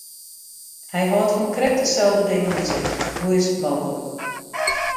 Hy hâldt fan krekt deselde dingen as ik, hoe is it mooglik!